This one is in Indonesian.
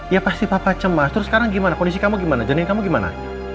ya pasti papa cemas terus sekarang gimana kondisi kamu gimana joni kamu gimana